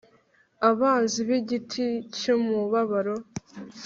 Abanzi b igiti cy umubabaro